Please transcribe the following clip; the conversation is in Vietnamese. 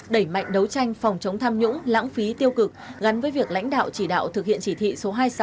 đẩy mạnh đấu tranh phòng chống tham nhũng lãng phí tiêu cực gắn với việc lãnh đạo chỉ đạo thực hiện chỉ thị số hai mươi sáu